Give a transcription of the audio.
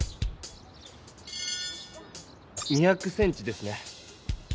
２００ｃｍですね。